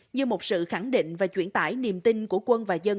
như một sự khẳng định và chuyển tải niềm tin của quân và dân